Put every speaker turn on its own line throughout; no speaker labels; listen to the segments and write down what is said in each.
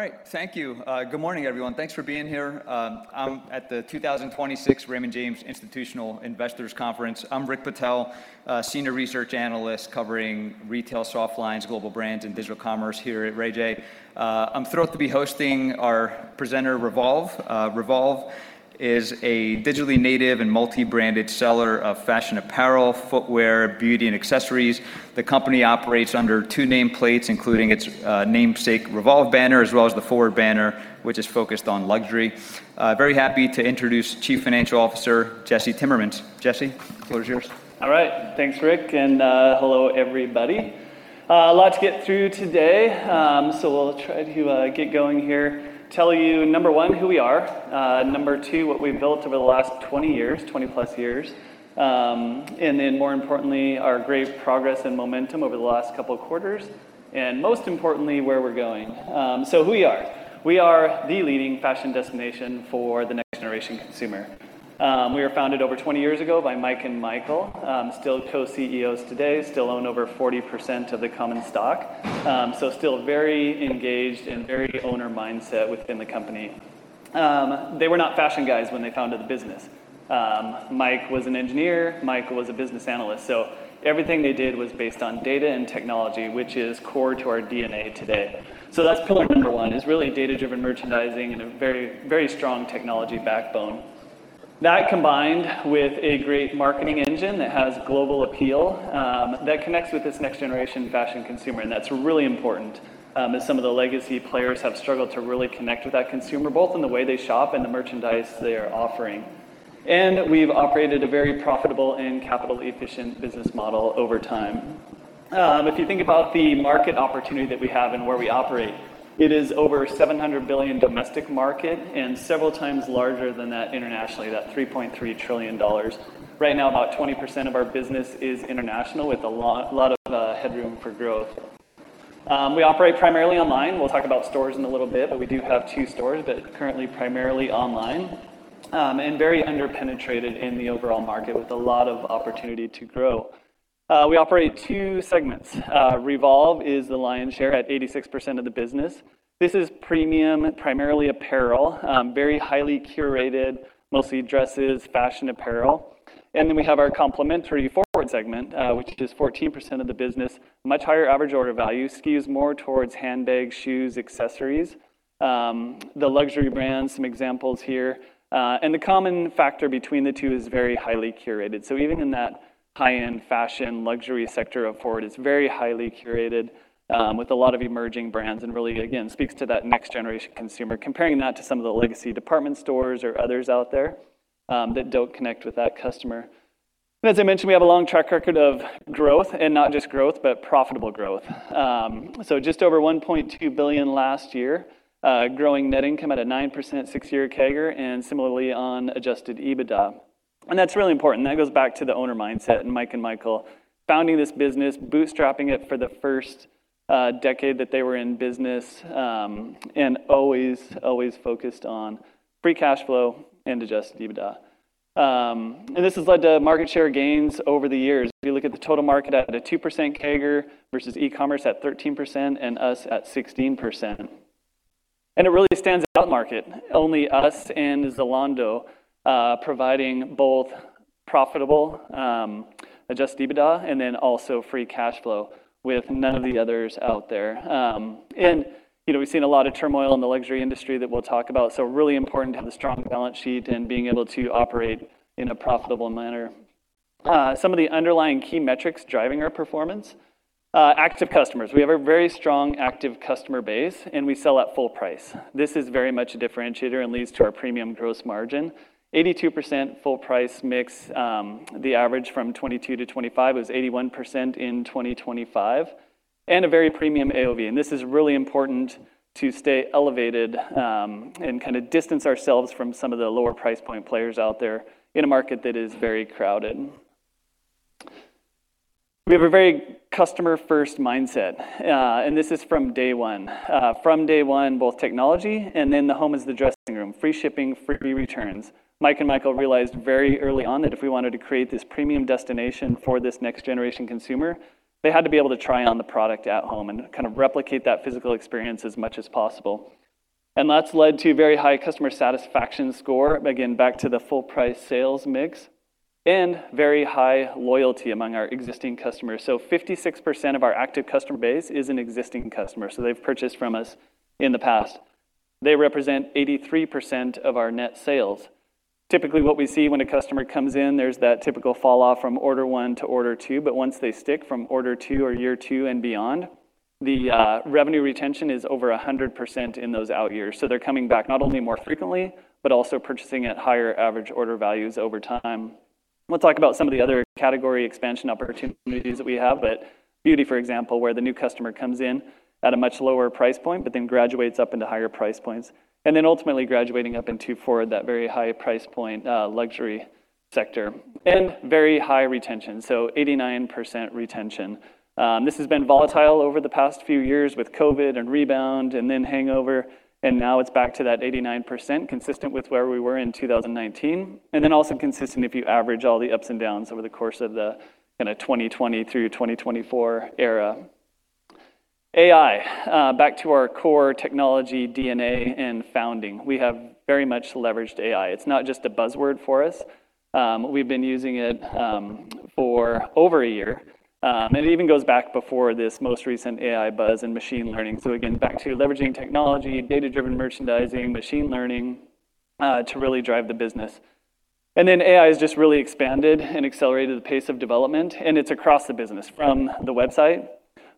All right. Thank you. Good morning, everyone. Thanks for being here at the 2026 Raymond James Institutional Investors Conference. I'm Rick Patel, Senior Research Analyst covering retail soft lines, global brands, and digital commerce here at RayJ. I'm thrilled to be hosting our presenter, Revolve. Revolve is a digitally native and multi-branded seller of fashion apparel, footwear, beauty, and accessories. The company operates under two nameplates, including its namesake Revolve banner, as well as the FWRD banner, which is focused on luxury. Very happy to introduce Chief Financial Officer, Jesse Timmermans. Jesse, the floor is yours.
All right. Thanks, Rick. Hello, everybody. A lot to get through today, we'll try to get going here. Tell you, number 1, who we are, number 2, what we've built over the last 20 years, 20-plus years, more importantly, our great progress and momentum over the last couple of quarters, most importantly, where we're going. Who we are. We are the leading fashion destination for the next generation consumer. We were founded over 20 years ago by Mike and Michael, still co-CEOs today, still own over 40% of the common stock. Still very engaged and very owner mindset within the company. They were not fashion guys when they founded the business. Mike was an engineer, Michael was a business analyst, so everything they did was based on data and technology, which is core to our DNA today. That's pillar number one is really data-driven merchandising and a very, very strong technology backbone. That combined with a great marketing engine that has global appeal that connects with this next generation fashion consumer, and that's really important as some of the legacy players have struggled to really connect with that consumer, both in the way they shop and the merchandise they are offering. We've operated a very profitable and capital-efficient business model over time. If you think about the market opportunity that we have and where we operate, it is over $700 billion domestic market and several times larger than that internationally, that $3.3 trillion. Right now, about 20% of our business is international with a lot of headroom for growth. We operate primarily online. We'll talk about stores in a little bit, but we do have 2 stores, but currently primarily online, and very under-penetrated in the overall market with a lot of opportunity to grow. We operate 2 segments. Revolve is the lion's share at 86% of the business. This is premium, primarily apparel, very highly curated, mostly dresses, fashion apparel. We have our complementary FWRD segment, which is 14% of the business, much higher average order value, skews more towards handbags, shoes, accessories. The luxury brands, some examples here. The common factor between the 2 is very highly curated. Even in that high-end fashion luxury sector of FWRD, it's very highly curated, with a lot of emerging brands, and really, again, speaks to that next generation consumer, comparing that to some of the legacy department stores or others out there, that don't connect with that customer. As I mentioned, we have a long track record of growth, and not just growth, but profitable growth. Just over $1.2 billion last year, growing net income at a 9% six-year CAGR, and similarly on adjusted EBITDA. That's really important. That goes back to the owner mindset, and Mike and Michael founding this business, bootstrapping it for the first decade that they were in business, and always focused on free cash flow and adjusted EBITDA. This has led to market share gains over the years. If you look at the total market at a 2% CAGR versus e-commerce at 13% and us at 16%. It really stands out in the market, only us and Zalando providing both profitable adjusted EBITDA and then also free cash flow with none of the others out there. You know, we've seen a lot of turmoil in the luxury industry that we'll talk about, so really important to have a strong balance sheet and being able to operate in a profitable manner. Some of the underlying key metrics driving our performance. Active customers. We have a very strong active customer base, and we sell at full price. This is very much a differentiator and leads to our premium gross margin. 82% full price mix. The average from 2022 to 2025 was 81% in 2025. A very premium AOV. This is really important to stay elevated, kinda distance ourselves from some of the lower price point players out there in a market that is very crowded. We have a very customer-first mindset. This is from day one. From day one, both technology and then the home is the dressing room, free shipping, free returns. Mike and Michael realized very early on that if we wanted to create this premium destination for this next generation consumer, they had to be able to try on the product at home and kind of replicate that physical experience as much as possible. That's led to very high customer satisfaction score, again, back to the full price sales mix, and very high loyalty among our existing customers. Fifty-six percent of our active customer base is an existing customer, so they've purchased from us in the past. They represent 83% of our net sales. Typically, what we see when a customer comes in, there's that typical fall off from order 1 to order 2, but once they stick from order 2 or year 2 and beyond, the revenue retention is over 100% in those out years. They're coming back not only more frequently, but also purchasing at higher average order values over time. We'll talk about some of the other category expansion opportunities that we have, but beauty, for example, where the new customer comes in at a much lower price point, but then graduates up into higher price points, and then ultimately graduating up into FWRD, that very high price point, luxury sector. Very high retention, so 89% retention. This has been volatile over the past few years with COVID and rebound and then hangover, and now it's back to that 89%, consistent with where we were in 2019, and then also consistent if you average all the ups and downs over the course of the kinda 2020 through 2024 era. AI, back to our core technology DNA and founding. We have very much leveraged AI. It's not just a buzzword for us. We've been using it for over a year, and it even goes back before this most recent AI buzz and machine learning. Again, back to leveraging technology, data-driven merchandising, machine learning, to really drive the business. AI has just really expanded and accelerated the pace of development, and it's across the business from the website,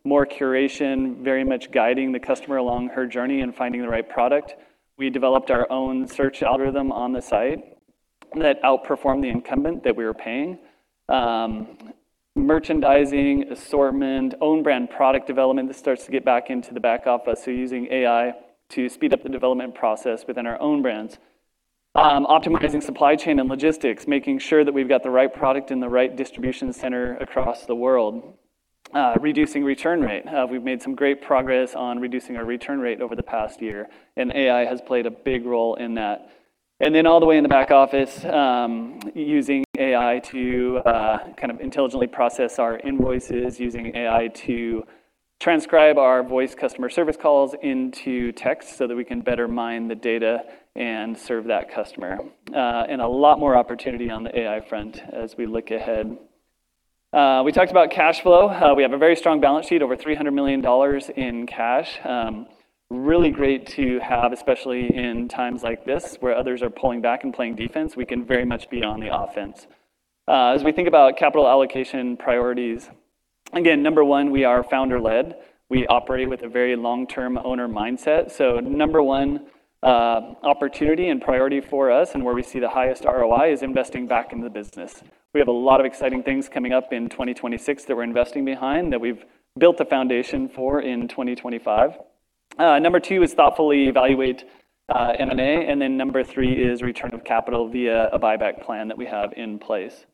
more curation, very much guiding the customer along her journey and finding the right product. We developed our own search algorithm on the site that outperformed the incumbent that we were paying. Merchandising, assortment, own brand product development, this starts to get back into the back office, so using AI to speed up the development process within our own brands. Optimizing supply chain and logistics, making sure that we've got the right product in the right distribution center across the world. Reducing return rate. We've made some great progress on reducing our return rate over the past year, AI has played a big role in that. All the way in the back office, using AI to kind of intelligently process our invoices, using AI to transcribe our voice customer service calls into text so that we can better mine the data and serve that customer, and a lot more opportunity on the AI front as we look ahead. We talked about cash flow. We have a very strong balance sheet, over $300 million in cash. Really great to have, especially in times like this, where others are pulling back and playing defense, we can very much be on the offense. As we think about capital allocation priorities, again, number 1, we are founder-led. We operate with a very long-term owner mindset. Number one, opportunity and priority for us and where we see the highest ROI is investing back in the business. We have a lot of exciting things coming up in 2026 that we're investing behind that we've built a foundation for in 2025. Number two is thoughtfully evaluate M&A, number three is return of capital via a buyback plan that we have in place.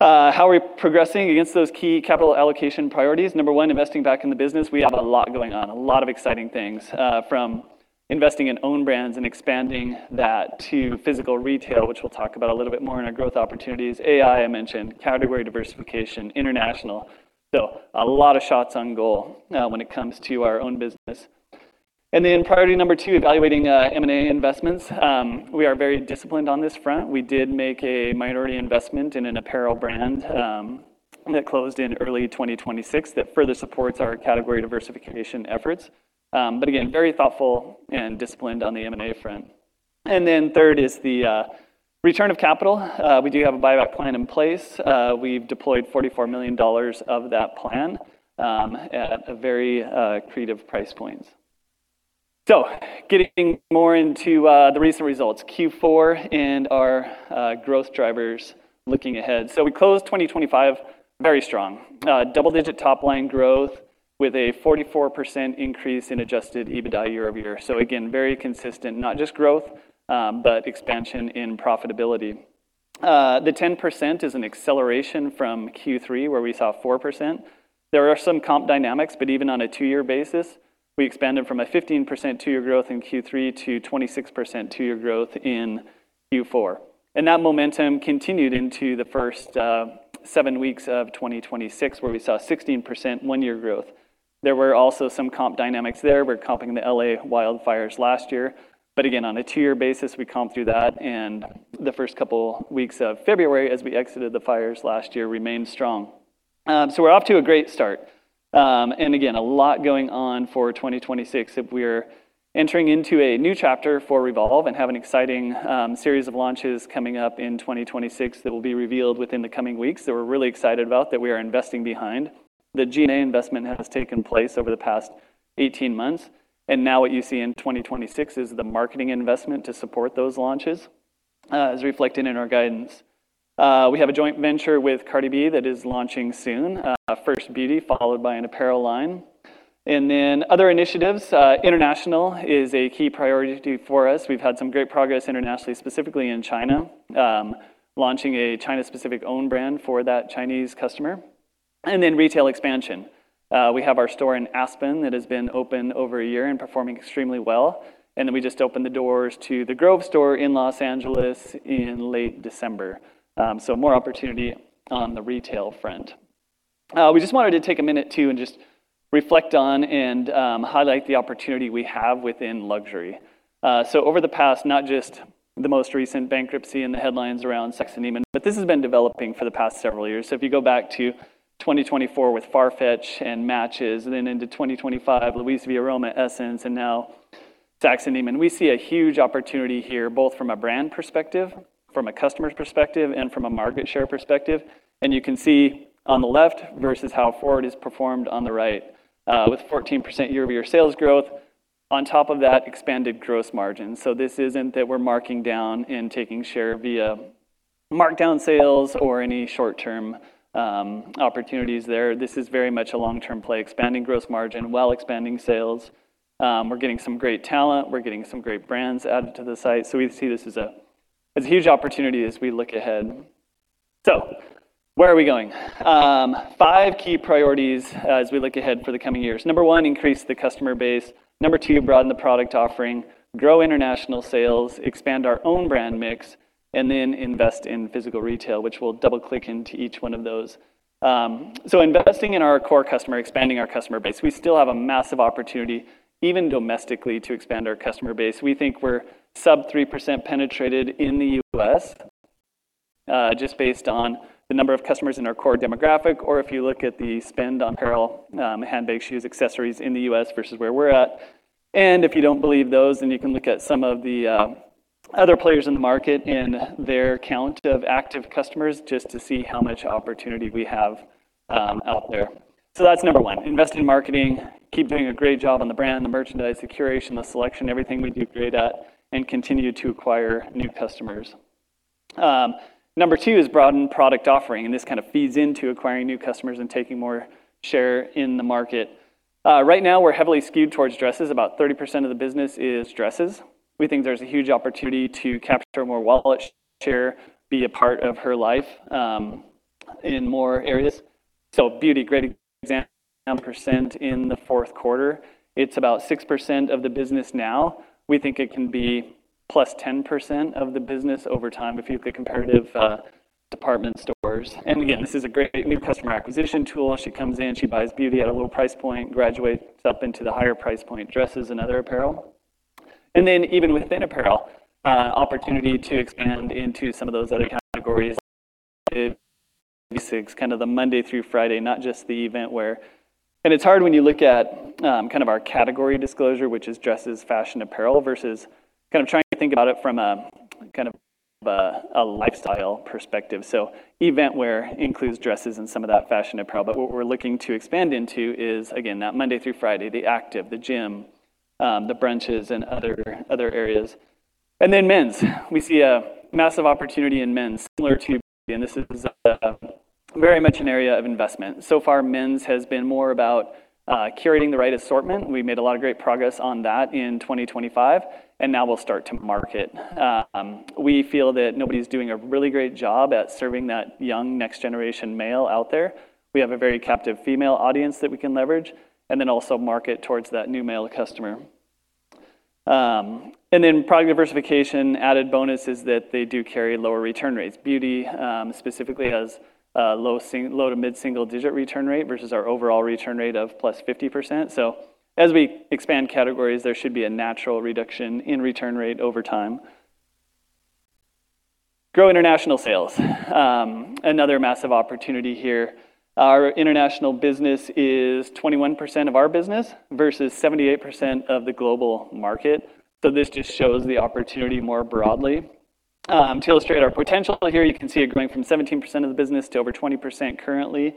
How are we progressing against those key capital allocation priorities? Number one, investing back in the business. We have a lot going on, a lot of exciting things, from investing in own brands and expanding that to physical retail, which we'll talk about a little bit more in our growth opportunities. AI, I mentioned, category diversification, international. A lot of shots on goal when it comes to our own business. Priority number 2, evaluating M&A investments. We are very disciplined on this front. We did make a minority investment in an apparel brand that closed in early 2026 that further supports our category diversification efforts. Again, very thoughtful and disciplined on the M&A front. 3rd is the return of capital. We do have a buyback plan in place. We've deployed $44 million of that plan at a very creative price points. Getting more into the recent results, Q4 and our growth drivers looking ahead. We closed 2025 very strong. Double-digit top-line growth with a 44% increase in adjusted EBITDA year-over-year. Again, very consistent, not just growth, but expansion in profitability. The 10% is an acceleration from Q3, where we saw 4%. There are some comp dynamics, but even on a two-year basis, we expanded from a 15% two-year growth in Q3 to 26% two-year growth in Q4. That momentum continued into the first seven weeks of 2026, where we saw 16% one-year growth. There were also some comp dynamics there. We're comping the LA wildfires last year, but again, on a two-year basis, we comped through that, and the first couple weeks of February as we exited the fires last year remained strong. We're off to a great start. And again, a lot going on for 2026. If we're entering into a new chapter for Revolve and have an exciting series of launches coming up in 2026 that will be revealed within the coming weeks that we're really excited about, that we are investing behind. The G&A investment has taken place over the past 18 months. Now what you see in 2026 is the marketing investment to support those launches, as reflected in our guidance. We have a joint venture with Cardi B that is launching soon, first beauty followed by an apparel line. Then other initiatives, international is a key priority for us. We've had some great progress internationally, specifically in China, launching a China-specific own brand for that Chinese customer. Then retail expansion. We have our store in Aspen that has been open over 1 year and performing extremely well. We just opened the doors to the Grove store in L.A. in late December. More opportunity on the retail front. We just wanted to take a minute too and just reflect on and highlight the opportunity we have within luxury. Over the past, not just the most recent bankruptcy and the headlines around Saks and Neiman, but this has been developing for the past several years. If you go back to 2024 with Farfetch and Matches, then into 2025, LuisaViaRoma, SSENSE, and now Saks and Neiman, we see a huge opportunity here, both from a brand perspective, from a customer's perspective, and from a market share perspective. You can see on the left versus how FWRD is performed on the right, with 14% year-over-year sales growth on top of that expanded gross margin. This isn't that we're marking down and taking share via markdown sales or any short-term opportunities there. This is very much a long-term play, expanding gross margin while expanding sales. We're getting some great talent. We're getting some great brands added to the site. We see this as a huge opportunity as we look ahead. Where are we going? Five key priorities as we look ahead for the coming years. Number one, increase the customer base. Number two, broaden the product offering, grow international sales, expand our own brand mix, and then invest in physical retail, which we'll double-click into each one of those. Investing in our core customer, expanding our customer base. We still have a massive opportunity, even domestically, to expand our customer base. We think we're sub 3% penetrated in the U.S., just based on the number of customers in our core demographic, or if you look at the spend on apparel, handbags, shoes, accessories in the U.S. versus where we're at. If you don't believe those, then you can look at some of the other players in the market and their count of active customers just to see how much opportunity we have out there. That's number one, invest in marketing, keep doing a great job on the brand, the merchandise, the curation, the selection, everything we do great at, and continue to acquire new customers. Number two is broaden product offering, and this kind of feeds into acquiring new customers and taking more share in the market. Right now, we're heavily skewed towards dresses. About 30% of the business is dresses. We think there's a huge opportunity to capture more wallet share, be a part of her life, in more areas. Beauty, great example, percent in the fourth quarter. It's about 6% of the business now. We think it can be +10% of the business over time if you look at comparative department stores. Again, this is a great new customer acquisition tool. She comes in, she buys beauty at a low price point, graduates up into the higher price point, dresses and other apparel. Even within apparel, opportunity to expand into some of those other categories... Kind of the Monday through Friday, not just the event wear. It's hard when you look at, kind of our category disclosure, which is dresses, fashion apparel, versus kind of trying to think about it from a, kind of a lifestyle perspective. Event wear includes dresses and some of that fashion apparel. What we're looking to expand into is, again, that Monday through Friday, the active, the gym, the brunches and other areas. We see a massive opportunity in men's. This is very much an area of investment. Men's has been more about curating the right assortment. We made a lot of great progress on that in 2025. Now we'll start to market. We feel that nobody's doing a really great job at serving that young next-generation male out there. We have a very captive female audience that we can leverage, and then also market towards that new male customer. Product diversification, added bonus is that they do carry lower return rates. Beauty specifically has low to mid-single-digit return rate versus our overall return rate of +50%. As we expand categories, there should be a natural reduction in return rate over time. Grow international sales. Another massive opportunity here. Our international business is 21% of our business versus 78% of the global market. This just shows the opportunity more broadly. To illustrate our potential here, you can see it growing from 17% of the business to over 20% currently.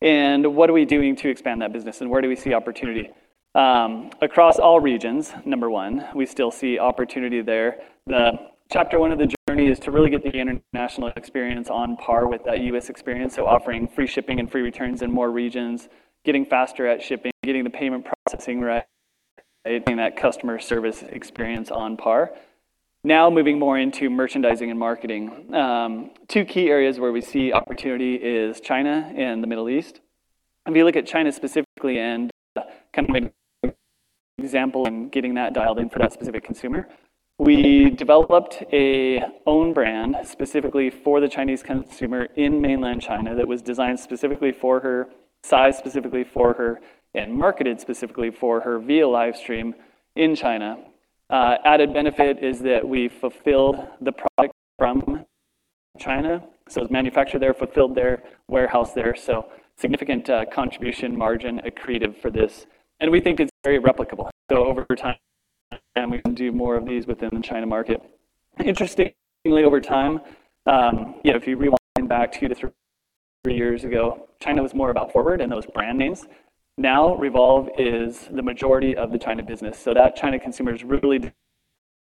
What are we doing to expand that business, and where do we see opportunity? Across all regions, number one, we still see opportunity there. The chapter one of the journey is to really get the international experience on par with that U.S. experience, so offering free shipping and free returns in more regions, getting faster at shipping, getting the payment processing right, getting that customer service experience on par. Now moving more into merchandising and marketing. Two key areas where we see opportunity is China and the Middle East. If you look at China specifically and kind of example in getting that dialed in for that specific consumer, we developed a own brand specifically for the Chinese consumer in mainland China that was designed specifically for her, sized specifically for her, and marketed specifically for her via live stream in China. Added benefit is that we fulfilled the product from China, it was manufactured there, fulfilled there, warehoused there, significant contribution margin accretive for this. We think it's very replicable. Over time, we can do more of these within the China market. Interestingly, over time, you know, if you rewind back 2 to 3 years ago, China was more about FWRD and those brand names. Now Revolve is the majority of the China business. That China consumer is really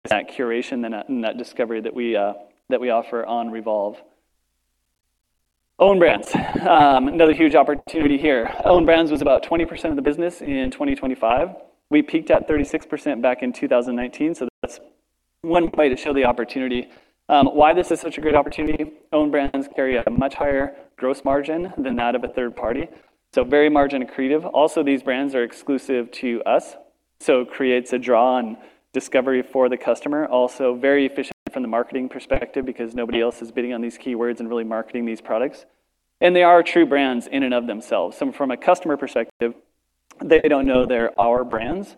that curation and that discovery that we offer on Revolve. Own brands. Another huge opportunity here. Own brands was about 20% of the business in 2025. We peaked at 36% back in 2019, that's one way to show the opportunity. Why this is such a great opportunity, own brands carry a much higher gross margin than that of a third party, so very margin accretive. These brands are exclusive to us, so it creates a draw and discovery for the customer. Very efficient from the marketing perspective because nobody else is bidding on these keywords and really marketing these products. They are true brands in and of themselves. From a customer perspective, they don't know they're our brands.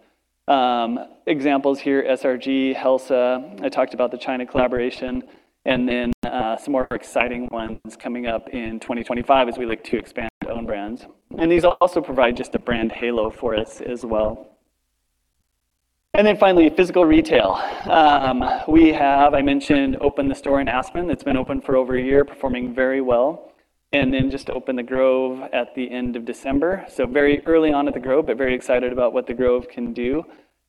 Examples here, SRG, Helsa, I talked about the China collaboration, some more exciting ones coming up in 2025 as we look to expand own brands. These also provide just a brand halo for us as well. Finally, physical retail. We have, I mentioned, opened the store in Aspen. It's been open for over a year, performing very well. Just opened The Grove at the end of December. Very early on at The Grove, but very excited about what The Grove can do.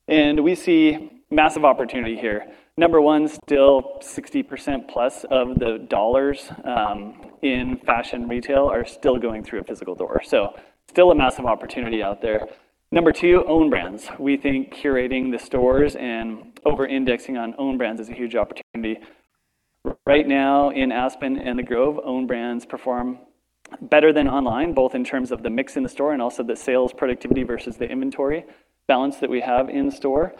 We see massive opportunity here. Number 1, still 60% plus of the dollars in fashion retail are still going through a physical door. Still a massive opportunity out there. Number 2, own brands. We think curating the stores and over-indexing on own brands is a huge opportunity. Right now in Aspen and The Grove, own brands perform better than online, both in terms of the mix in the store and also the sales productivity versus the inventory balance that we have in store.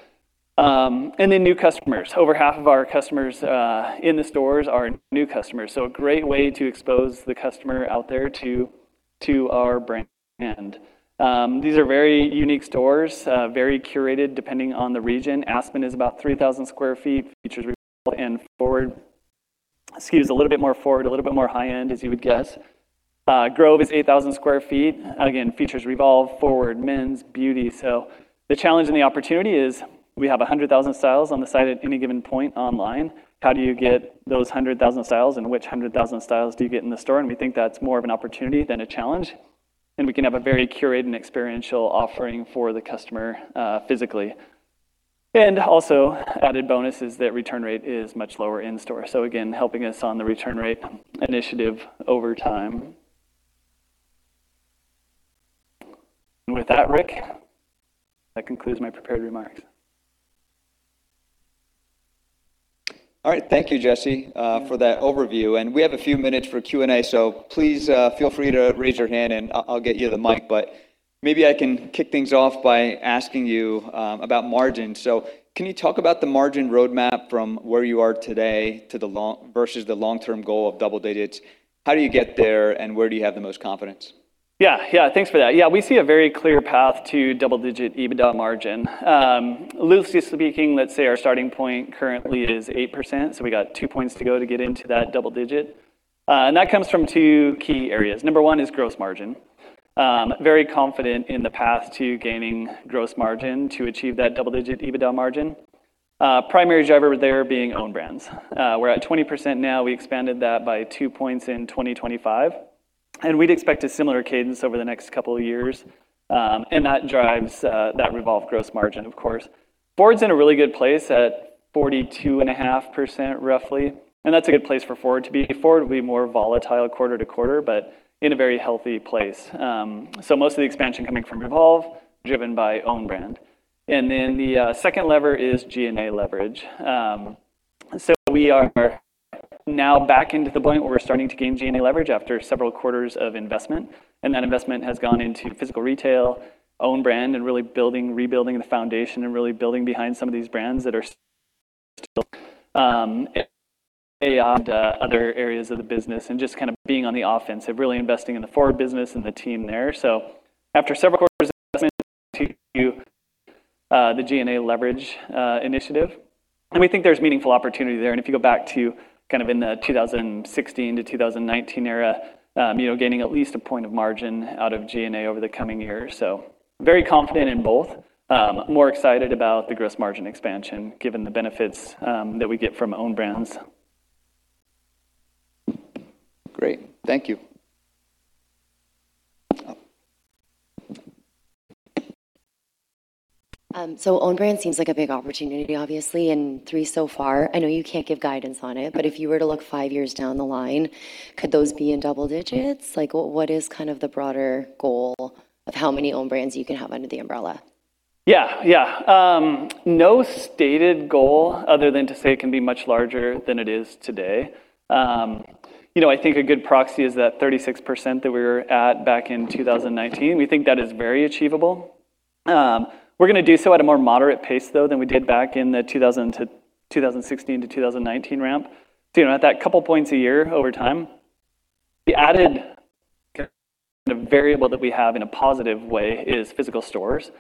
New customers. Over half of our customers in the stores are new customers, so a great way to expose the customer out there to our brand. These are very unique stores, very curated depending on the region. Aspen is about 3,000 sq ft, features Revolve and FWRD. Ski is a little bit more FWRD, a little bit more high-end, as you would guess. Grove is 8,000 sq ft. Again, features Revolve, FWRD, Men's, Beauty. The challenge and the opportunity is we have 100,000 styles on the site at any given point online. How do you get those 100,000 styles, and which 100,000 styles do you get in the store? We think that's more of an opportunity than a challenge, and we can have a very curated and experiential offering for the customer physically. Also added bonus is that return rate is much lower in store. Again, helping us on the return rate initiative over time. With that, Rick, that concludes my prepared remarks.
All right. Thank you, Jesse, for that overview. We have a few minutes for Q&A, please feel free to raise your hand and I'll get you the mic. Maybe I can kick things off by asking you about margin. Can you talk about the margin roadmap from where you are today to the long-term goal of double digits? How do you get there, and where do you have the most confidence?
Thanks for that. We see a very clear path to double-digit EBITDA margin. Loosely speaking, let's say our starting point currently is 8%, we got 2 points to go to get into that double digit. That comes from 2 key areas. Number 1 is gross margin. Very confident in the path to gaining gross margin to achieve that double-digit EBITDA margin. Primary driver there being own brands. We're at 20% now. We expanded that by 2 points in 2025, we'd expect a similar cadence over the next couple of years. That drives that Revolve gross margin, of course. FWRD's in a really good place at 42.5%, roughly, that's a good place for FWRD to be. FWRD will be more volatile quarter to quarter, but in a very healthy place. Most of the expansion coming from Revolve, driven by own brand. The second lever is G&A leverage. We are now back into the point where we're starting to gain G&A leverage after several quarters of investment, and that investment has gone into physical retail, own brand, and rebuilding the foundation and really building behind some of these brands that are still and other areas of the business, and just kind of being on the offense of really investing in the FWRD business and the team there. After several quarters of investment to the G&A leverage initiative, and we think there's meaningful opportunity there. If you go back to kind of in the 2016 to 2019 era, you know, gaining at least a point of margin out of G&A over the coming years. Very confident in both. More excited about the gross margin expansion, given the benefits that we get from own brands.
Great. Thank you.
own brand seems like a big opportunity, obviously, and 3 so far. I know you can't give guidance on it, but if you were to look 5 years down the line, could those be in double digits? Like, what is kind of the broader goal of how many own brands you can have under the umbrella?
Yeah. Yeah. No stated goal other than to say it can be much larger than it is today. You know, I think a good proxy is that 36% that we were at back in 2019. We think that is very achievable. We're gonna do so at a more moderate pace, though, than we did back in the 2016 to 2019 ramp. You know, at that couple points a year over time, the added variable that we have in a positive way is physical stores.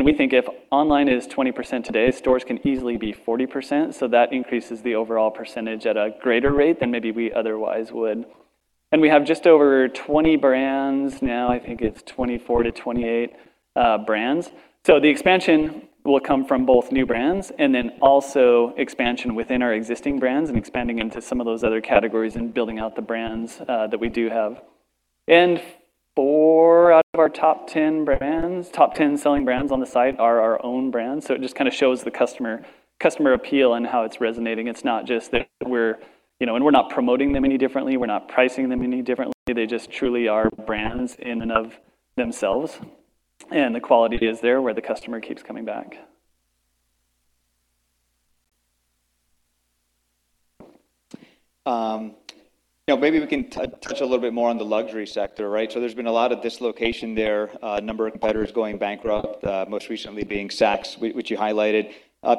We think if online is 20% today, stores can easily be 40%, so that increases the overall percentage at a greater rate than maybe we otherwise would. We have just over 20 brands now. I think it's 24 to 28 brands. The expansion will come from both new brands and then also expansion within our existing brands and expanding into some of those other categories and building out the brands that we do have. Four out of our top 10 brands, top 10 selling brands on the site are our own brands. It just kinda shows the customer appeal and how it's resonating. It's not just that we're... You know, we're not promoting them any differently. We're not pricing them any differently. They just truly are brands in and of themselves, and the quality is there where the customer keeps coming back.
you know, maybe we can touch a little bit more on the luxury sector, right? There's been a lot of dislocation there, a number of competitors going bankrupt, most recently being Saks, which you highlighted.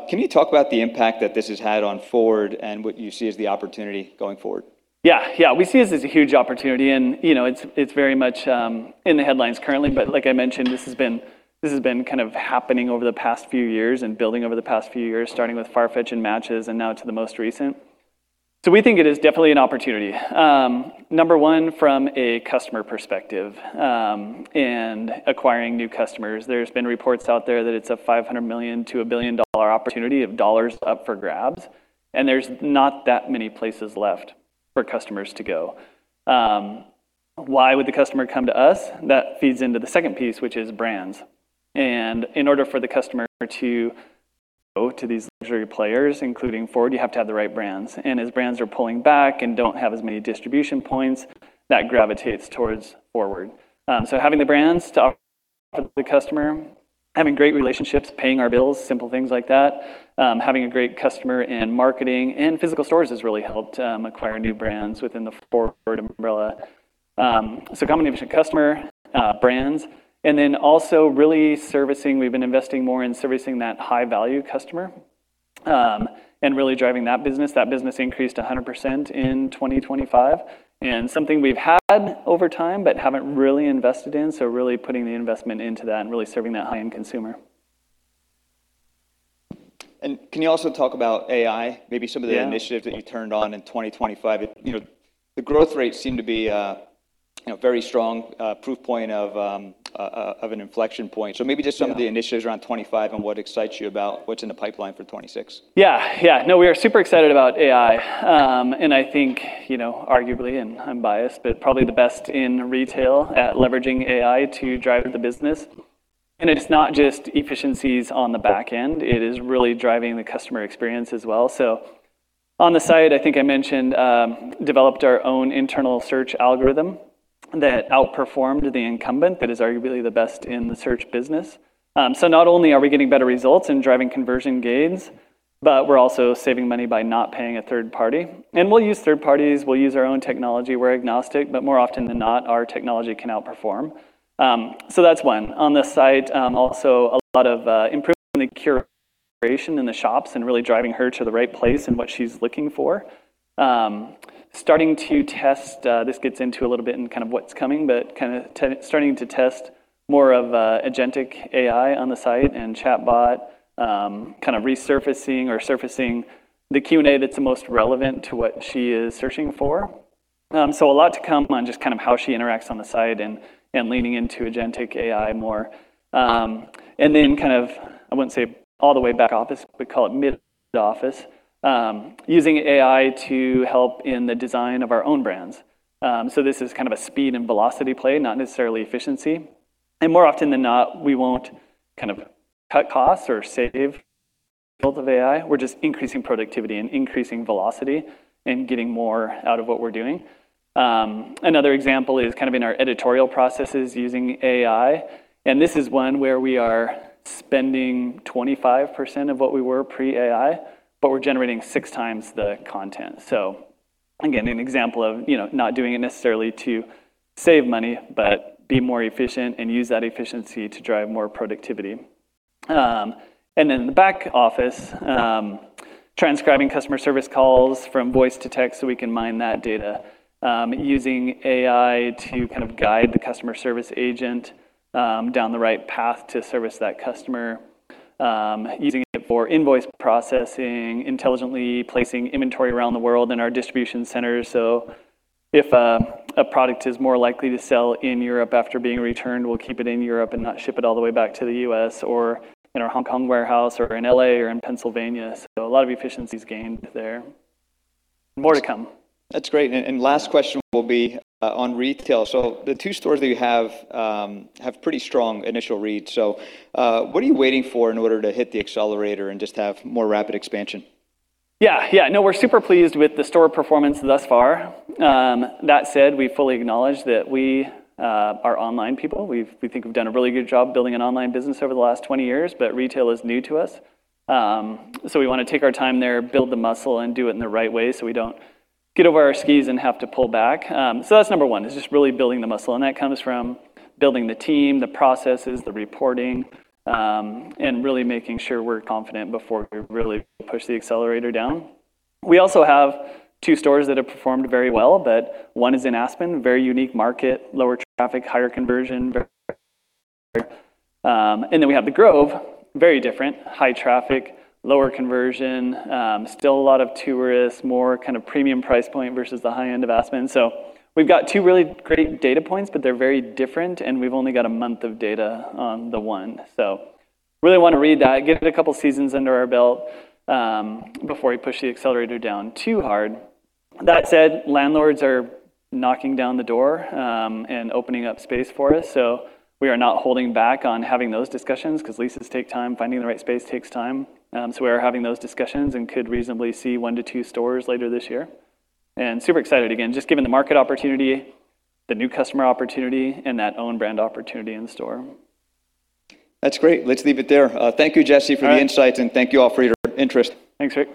Can you talk about the impact that this has had on FWRD and what you see as the opportunity going forward?
Yeah. Yeah. We see this as a huge opportunity and, you know, it's very much in the headlines currently, but like I mentioned, this has been kind of happening over the past few years and building over the past few years, starting with Farfetch and Matches and now to the most recent. We think it is definitely an opportunity. Number one, from a customer perspective, and acquiring new customers. There's been reports out there that it's a $500 million to $1 billion opportunity of dollars up for grabs, and there's not that many places left for customers to go. Why would the customer come to us? That feeds into the second piece, which is brands. In order for the customer to these luxury players, including FWRD, you have to have the right brands. As brands are pulling back and don't have as many distribution points, that gravitates towards FWRD. So having the brands to offer the customer, having great relationships, paying our bills, simple things like that, having a great customer and marketing and physical stores has really helped acquire new brands within the FWRD umbrella. So combination customer, brands, and then also really servicing. We've been investing more in servicing that high-value customer, and really driving that business. That business increased 100% in 2025. Something we've had over time but haven't really invested in, so really putting the investment into that and really serving that high-end consumer.
Can you also talk about AI?
Yeah...
initiatives that you turned on in 2025? You know, the growth rate seemed to be a very strong proof point of an inflection point. Maybe just some of the initiatives around 2025 and what excites you about what's in the pipeline for 2026.
Yeah. Yeah. No, we are super excited about AI. I think, you know, arguably, and I'm biased, but probably the best in retail at leveraging AI to drive the business, and it's not just efficiencies on the back end. It is really driving the customer experience as well. On the site, I think I mentioned, developed our own internal search algorithm that outperformed the incumbent that is arguably the best in the search business. Not only are we getting better results and driving conversion gains, but we're also saving money by not paying a third party. We'll use third parties, we'll use our own technology. We're agnostic, but more often than not, our technology can outperform. That's one. On the site, also a lot of improvement in the curation in the shops and really driving her to the right place and what she's looking for. Starting to test, this gets into a little bit in kind of what's coming, but starting to test more of agentic AI on the site and chatbot, kind of resurfacing or surfacing the Q&A that's the most relevant to what she is searching for. A lot to come on just kind of how she interacts on the site and leaning into agentic AI more. Kind of, I wouldn't say all the way back office, we call it mid office, using AI to help in the design of our own brands. This is kind of a speed and velocity play, not necessarily efficiency. More often than not, we won't kind of cut costs or save both of AI. We're just increasing productivity and increasing velocity and getting more out of what we're doing. Another example is kind of in our editorial processes using AI, and this is one where we are spending 25% of what we were pre-AI, but we're generating 6 times the content. Again, an example of, you know, not doing it necessarily to save money, but be more efficient and use that efficiency to drive more productivity. The back office, transcribing customer service calls from voice to text, so we can mine that data. Using AI to kind of guide the customer service agent down the right path to service that customer. Using it for invoice processing, intelligently placing inventory around the world in our distribution centers. If a product is more likely to sell in Europe after being returned, we'll keep it in Europe and not ship it all the way back to the U.S. or in our Hong Kong warehouse or in L.A. or in Pennsylvania. A lot of efficiencies gained there. More to come.
That's great. Last question will be on retail. The two stores that you have have pretty strong initial read. What are you waiting for in order to hit the accelerator and just have more rapid expansion?
Yeah. Yeah. We're super pleased with the store performance thus far. That said, we fully acknowledge that we are online people. We think we've done a really good job building an online business over the last 20 years, but retail is new to us. We wanna take our time there, build the muscle, and do it in the right way, so we don't get over our skis and have to pull back. That's number 1 is just really building the muscle. That comes from building the team, the processes, the reporting, and really making sure we're confident before we really push the accelerator down. We also have 2 stores that have performed very well, but 1 is in Aspen, very unique market, lower traffic, higher conversion, very... We have The Grove, very different, high traffic, lower conversion, still a lot of tourists, more kind of premium price point versus the high-end of Aspen. We've got two really great data points, but they're very different, and we've only got a month of data on the one. Really wanna read that, get a couple of seasons under our belt, before we push the accelerator down too hard. That said, landlords are knocking down the door, and opening up space for us. We are not holding back on having those discussions 'cause leases take time, finding the right space takes time. We're having those discussions and could reasonably see one to two stores later this year. Super excited again, just given the market opportunity, the new customer opportunity, and that own brand opportunity in store.
That's great. Let's leave it there. Thank you, Jesse.
All right....
for the insights, and thank you all for your interest.
Thanks, Rick.